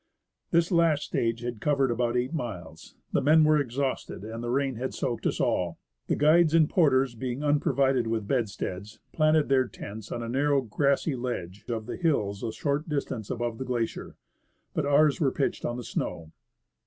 ; This last stage had covered about eight miles. The men were exhausted, and the rain had soaked us all. The guides and porters being unprovided with bedsteads, planted their tents on a narrow grassy ledge of the hills a short distance above the glacier, but ours were pitched on the snow.